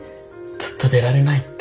ずっと出られないって。